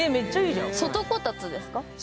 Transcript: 外こたつですか？